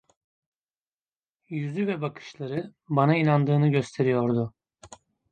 Yüzü ve bakışları bana inandığını gösteriyordu.